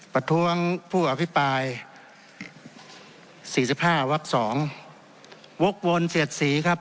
ประท้วงผู้อภิปรายสี่สิบห้าวัก๒วกวนเสียดสีครับ